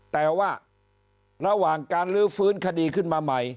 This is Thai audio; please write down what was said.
แต่ว่าระหว่างการลื้อฟื้นคดีขึ้นมาใหม่